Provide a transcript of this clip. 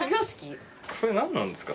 それ何なんですか？